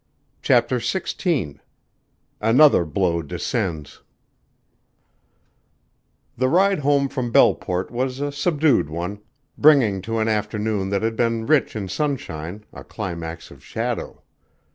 CHAPTER XVI ANOTHER BLOW DESCENDS The ride home from Belleport was a subdued one, bringing to an afternoon that had been rich in sunshine a climax of shadow.